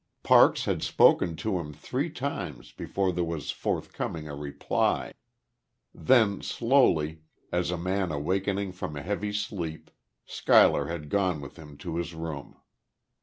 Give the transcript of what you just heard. Parks had spoken to him three times before there was forthcoming a reply. Then, slowly, as a man awakening from a heavy sleep, Schuyler had gone with him to his room.